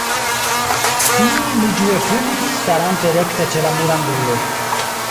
Tiun li ĝue fumis, starante rekte ĉe la murangulo.